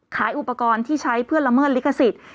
ขายอุปกรณ์ที่ใช้เพื่อละเมิดลิขสิทธิ์